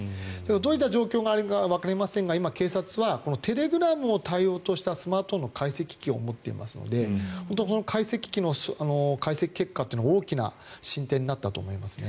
どういった状況があるかはわかりませんが今、警察はテレグラムを対応としたスマートフォンの解析機を持っていますので解析機の解析結果というのは大きな進展になったと思いますね。